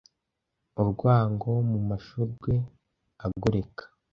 urwango mumashurwe agoreka